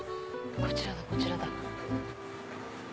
こちらだこちらだ。